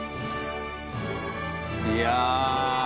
いや。